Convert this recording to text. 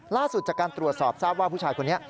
ล่าสุดจากการตรวจสอบทราบว่าผู้ชายคนนี้